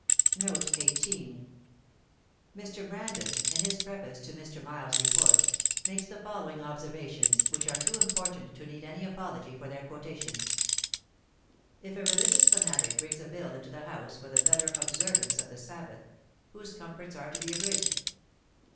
Footnote 18: Mr. Brandon, in his Preface to Mr. Miles's Report, makes the following observations, which are too important to need any apology for their quotation:— "If a religious fanatic brings a Bill into the House for the 'better observance of the Sabbath,' whose comforts are to be abridged?